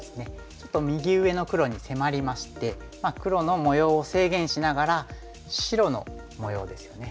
ちょっと右上の黒に迫りまして黒の模様を制限しながら白の模様ですよね